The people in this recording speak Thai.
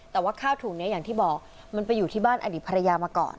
แต่ว่าข้าวถุงนี้อย่างที่บอกมันไปอยู่ที่บ้านอดีตภรรยามาก่อน